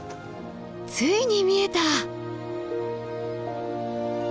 ついに見えた！